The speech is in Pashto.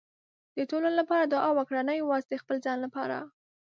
د ټولو لپاره دعا وکړه، نه یوازې د خپل ځان لپاره.